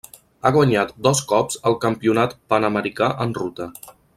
Ha guanyat dos cops el Campionat panamericà en ruta.